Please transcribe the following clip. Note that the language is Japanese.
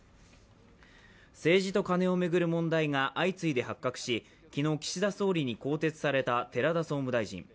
政治とカネを巡る問題が相次いで発覚し、昨日岸田総理に更迭された寺田総務大臣。